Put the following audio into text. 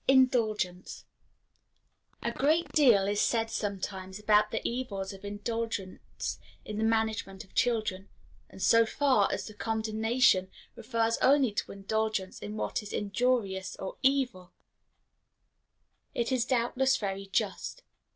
Indulgence. A great deal is said sometimes about the evils of indulgence in the management of children; and so far as the condemnation refers only to indulgence in what is injurious or evil, it is doubtless very just.